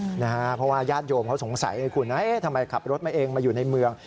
เพราะว่าญาติโยมเขาสงสัยไงคุณทำไมขับรถมาเองมาอยู่ในเมือง